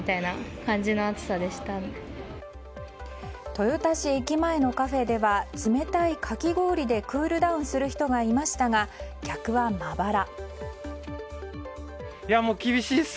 豊田市駅前のカフェでは冷たいかき氷でクールダウンする人がいましたが客はまばら。